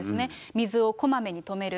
水をこまめに止める。